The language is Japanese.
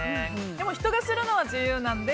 でも、人がするのは自由なので。